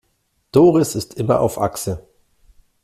Doris ist immer auf Achse.